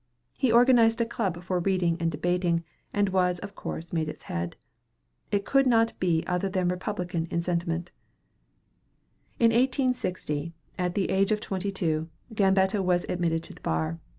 He organized a club for reading and debating, and was of course made its head. It could not be other than republican in sentiment. In 1860, at the age of twenty two, Gambetta was admitted to the bar.